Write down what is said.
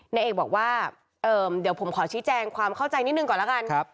นายเอกบอกว่าเดี๋ยวผมขอชี้แจงความเข้าใจนิดหนึ่งก่อนแล้วกัน